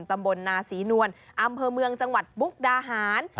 ตำบลนาศรีนวลอำเภอเมืองจังหวัดมุกดาหาร